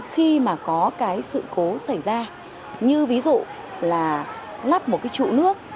khi mà có cái sự cố xảy ra như ví dụ là lắp một cái trụ nước